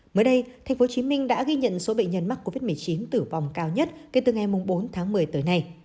mới đây tp hcm đã ghi nhận số bệnh nhân mắc covid một mươi chín tử vong cao nhất kể từ ngày bốn tháng một mươi tới nay